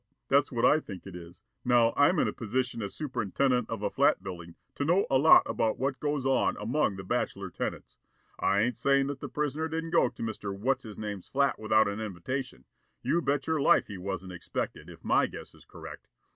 "That's what I think it is. Now I'm in a position as superintendent of a flat building to know a lot about what goes on among the bachelor tenants. I ain't sayin' that the prisoner didn't go to Mr. What's His Name's flat without an invitation. You bet your life he wasn't expected, if my guess is correct.